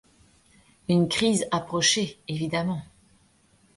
Une crise approchait évidemment.